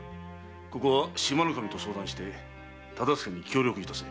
ここは志摩守と相談して忠相に協力いたせ。